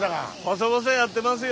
細々やってますよ。